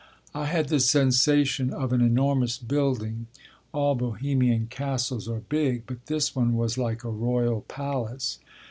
I had the sensation of an enormous building: all Bohemian castles are big, but this one was like a royal palace.